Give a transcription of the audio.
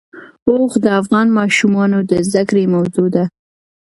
اوښ د افغان ماشومانو د زده کړې موضوع ده.